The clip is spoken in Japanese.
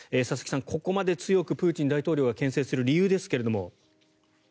佐々木さん、ここまで強くプーチン大統領がけん制する理由ですが。